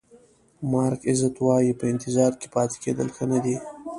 مارک ایزت وایي په انتظار کې پاتې کېدل ښه نه دي.